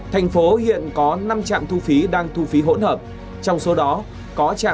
thành phố hiện có năm trạm thu phí đang thu phí hỗn hợp trong số đó có trạm kiến nghị thành phố hồ chí minh